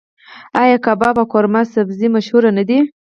آیا کباب او قورمه سبزي مشهور نه دي؟